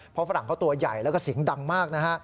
เพราะฝรั่งเขาตัวใหญ่แล้วก็เสียงดังมากนะฮะ